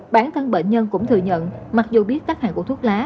bản thân bệnh nhân cũng thừa nhận mặc dù biết các hàng của thuốc lá